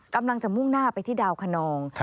กำลังจะมุ่งหน้าไปที่ดาวคนนอง